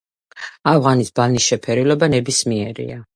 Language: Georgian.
ავღანის ბალნის შეფერილობა ნებისმიერია.